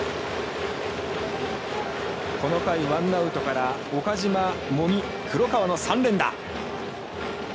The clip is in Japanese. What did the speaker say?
この回、ワンアウトから岡島、茂木黒川の３連打。